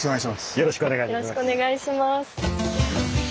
よろしくお願いします。